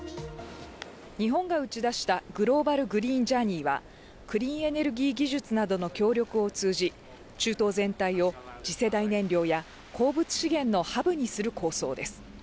日本が打ち出したグローバル・グリーン・ジャーニーはクリーンエネルギー技術などの協力を通じ、中東全体を次世代燃料や鉱物資源のハブする構想です。